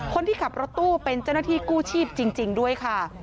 คนที่ขับรถตู้เป็นเจ้าหน้าที่กู้ชีพจริงด้วยค่ะ